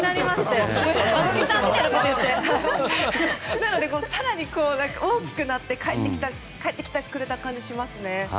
なので更に大きくなって帰ってきてくれた感じがします。